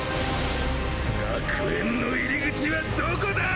楽園の入口はどこだぁ！？